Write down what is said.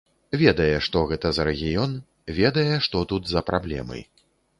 Ведае, што гэта за рэгіён, ведае, што тут за праблемы.